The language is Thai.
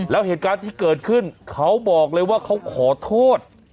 แล้วเหตุการณ์ที่เกิดขึ้นเขาบอกเลยว่าเขาขอโทษ